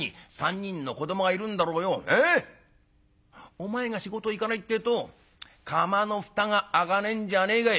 お前が仕事行かないってえと釜の蓋が開かねえんじゃねえかい」。